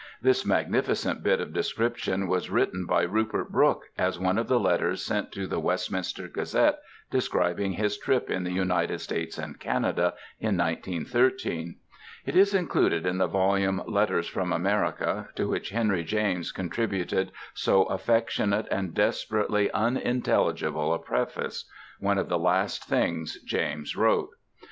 This magnificent bit of description was written by Rupert Brooke as one of the letters sent to the Westminster Gazette describing his trip in the United States and Canada in 1913. It is included in the volume Letters from America to which Henry James contributed so affectionate and desperately unintelligible a preface one of the last things James wrote.